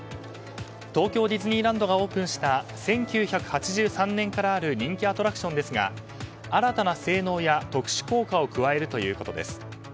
東京ディズニーランドがオープンした１９８３年からある人気アトラクションですが新たな性能や特殊効果を加えるということです。